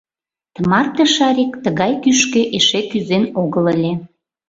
Тымарте Шарик тыгай кӱшкӧ эше кӱзен огыл ыле.